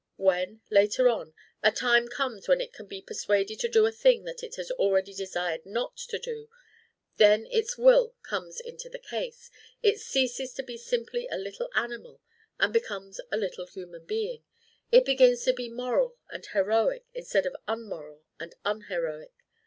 When, later on, a time comes when it can be persuaded to do a thing that it has already desired not to do, then its will comes into the case; it ceases to be simply a little animal and becomes a little human animal; it begins to be moral and heroic instead of unmoral and unheroic.